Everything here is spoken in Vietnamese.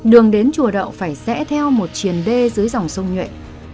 đường đến chùa đậu phải rẽ theo một triền đê dưới dòng sông nhuệ